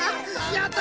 やった！